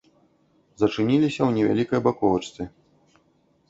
Зачыніліся ў невялікай баковачцы.